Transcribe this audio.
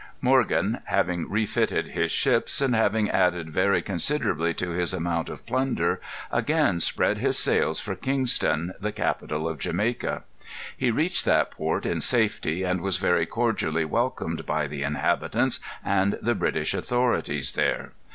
Morgan, having refitted his ships, and having added very considerably to his amount of plunder again spread his sails for Kingston, the capital of Jamaica. He reached that port in safety, and was very cordially welcomed by the inhabitants and the British authorities there.